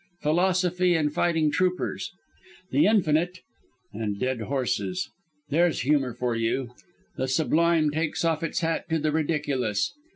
Philosophy and fighting troopers. The Infinite and dead horses. There's humour for you. The Sublime takes off its hat to the Ridiculous.